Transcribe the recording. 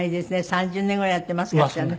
３０年ぐらいやっていますかしらね。